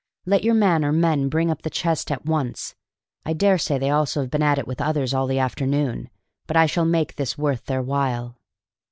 Let your man or men bring up the chest at once. I dare say they also have been 'at it with others all the afternoon,' but I shall make this worth their while."